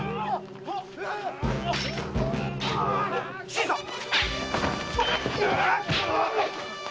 新さん！